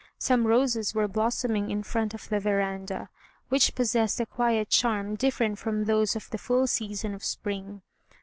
Some roses were blossoming in front of the veranda, which possessed a quiet charm different from those of the full season of spring.